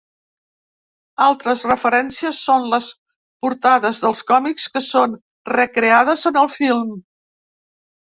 Altres referències són les portades dels còmics que són recreades en el film.